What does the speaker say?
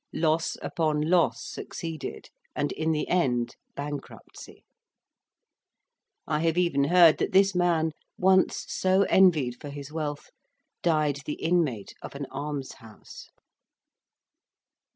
Loss upon loss succeeded, and in the end bankruptcy. I have even heard that this man, once so envied for his wealth, died the inmate of an almshouse.